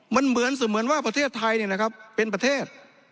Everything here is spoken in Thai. มันเหมือนเสมือนว่าประเทศไทยเนี่ยนะครับเป็นประเทศ